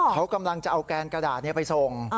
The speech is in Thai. เขากำลังจะเอาแกนกระดาษไปส่ง